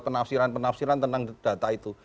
penafsiran penafsiran tentang data itu